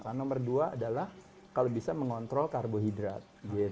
dan nomor dua adalah kalau bisa mengontrol karbohidrat